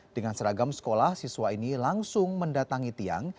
dengan seragam sekolah siswa ini langsung mendatangi tiang